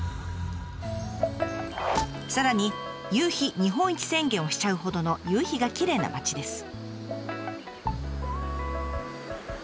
さらに「夕陽日本一宣言」をしちゃうほどの夕日がきれいな町です。